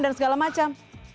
dan segala macam